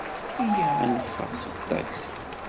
Iyya ad neffeɣ seg uṭaksi.